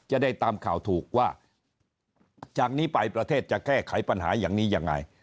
จะได้ตามข่าวถูกว่าจากนี้ไปประเทศจะแก้ไขปัญหาอย่างนี้ยังไง